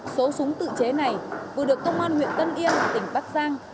số súng tự chế này vừa được công an huyện tân yên tỉnh bắc giang